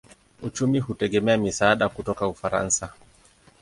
Uchumi hutegemea misaada kutoka Ufaransa.